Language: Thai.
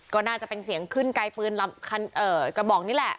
ก็น่าจะเป็นเสียงขึ้นไกลปืนกระบอกนี่แหละ